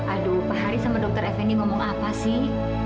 aduh pak hari sama dokter fnd ngomong apa sih